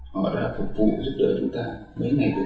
họ đã phục vụ giúp đỡ chúng ta mấy ngày được